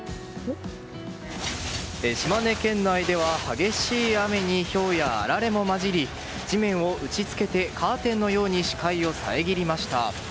島根県内では、激しい雨にひょうや、あられも交じり地面を打ち付けてカーテンのように視界を遮りました。